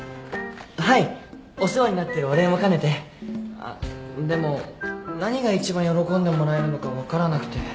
あっでも何が一番喜んでもらえるのか分からなくて。